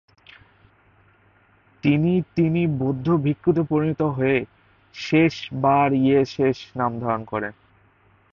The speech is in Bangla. তিনি তিনি বৌদ্ধ ভিক্ষুতে পরিণত হয়ে শেস-রাব-য়ে-শেস নামধারণ করেন।